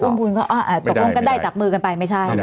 ไม่ได้